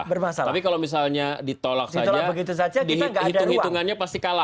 tapi kalau misalnya ditolak saja dihitung hitungannya pasti kalah